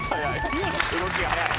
動きが速い。